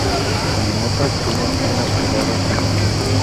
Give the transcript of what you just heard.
Como nota obtuvo un aprobado justo.